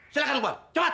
silahkan keluar cepat